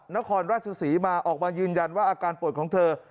นครราชศรีมาออกมายืนยันว่าอาการป่วยของเธอ